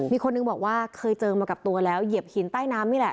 มีคนหนึ่งบอกว่าเคยเจอมากับตัวแล้วเหยียบหินใต้น้ำนี่แหละ